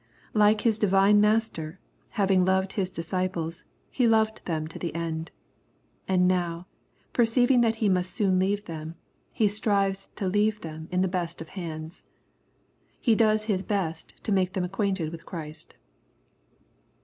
Like his divine Master, having loved his disciples, he loved them to the end. And now, perceiving that he must soon leave them, he strives to leave them in the best of hands. He does his best to make them ac quainted with Christ.